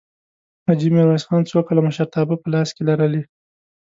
حاجي میرویس خان څو کاله مشرتابه په لاس کې لرلې؟